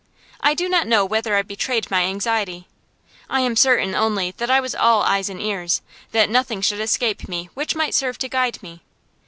I do not know whether I betrayed my anxiety; I am certain only that I was all eyes and ears, that nothing should escape me which might serve to guide me.